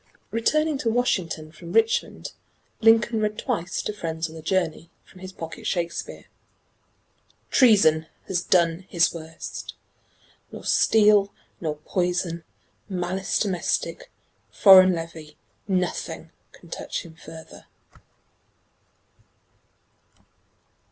Returning to Washington from Richmond, Lincoln read twice to friends on the journey, from his pocket Shakespeare: Treason has done his worst; nor steel nor poison, Malice domestic, foreign levy, nothing, Can touch him further.